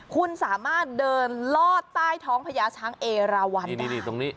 คุณสามารถเดินลอดใต้ท้องพระยาช้างเอรวรรณด้าน